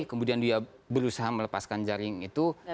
kemudian dia berusaha melepaskan jaring itu